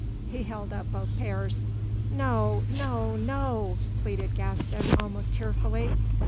He held up both pairs. "No, no, no!" pleaded Gaston, almost tearfully.